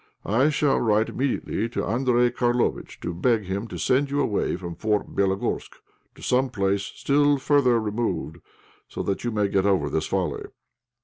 I shall write immediately to Andréj Karlovitch to beg him to send you away from Fort Bélogorsk to some place still further removed, so that you may get over this folly.